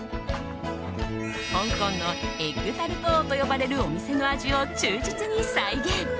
香港のエッグタルト王と呼ばれるお店の味を忠実に再現。